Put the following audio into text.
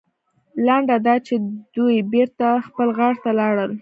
لنډه دا چې دوی بېرته خپل غار ته لاړل.